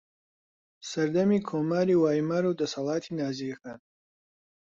سەردەمی کۆماری وایمار و دەسەڵاتی نازییەکان